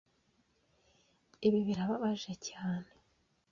Ibi birababaje cyane